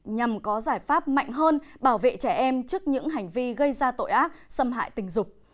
nhằm có giải pháp mạnh hơn bảo vệ trẻ em trước những hành vi gây ra tội ác xâm hại tình dục